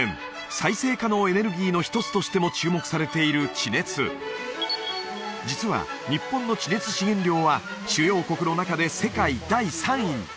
再生可能エネルギーの一つとしても注目されている地熱実は日本の地熱資源量は主要国の中で世界第３位！